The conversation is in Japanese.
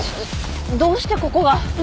どうしてここが？